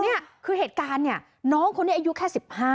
นี่คือเหตุการณ์เนี่ยน้องคนนี้อายุแค่๑๕